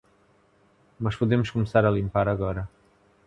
Mas podemos começar a limpar agora.